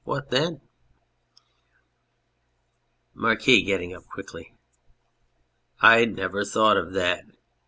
What then ? MARQUIS (getting up quickly). I never thought of that